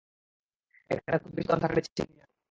এখনে খুব বেশিক্ষণ থাকার ইচ্ছে নিয়ে আসিনি।